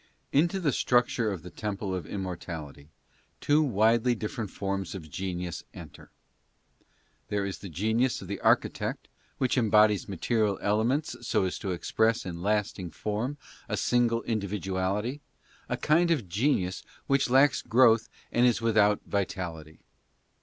Into the structure of the temple of immortality two widely different forms of genius enter. There is the genius of the architect, which embodies material elements so as to express in lasting form a single individuality — a kind of genius which lacks growth and is without vitality.